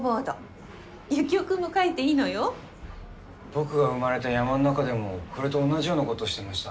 僕が生まれた山の中でもこれと同じようなことをしてました。